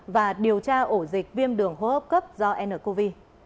và điều tra ổ dịch viêm đường hô hấp cấp do ncov